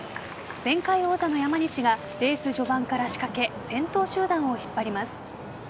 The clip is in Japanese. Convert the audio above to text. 前回王者の山西がレース序盤から先頭集団を引っ張ります。